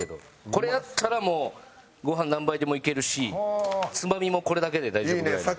これあったらもうご飯何杯でもいけるしつまみもこれだけで大丈夫。